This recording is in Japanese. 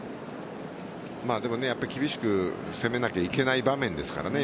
でも厳しく攻めないといけない場面ですからね